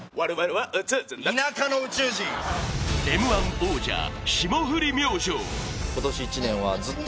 「Ｍ−１」王者霜降り明星。